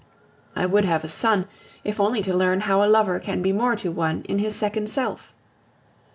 I would have a son, if only to learn how a lover can be more to one in his second self.